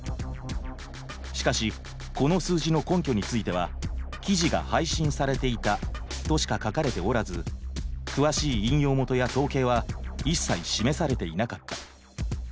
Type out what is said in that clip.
しかしこの数字の根拠については「記事が配信されていた」としか書かれておらず詳しい引用元や統計は一切示されていなかった。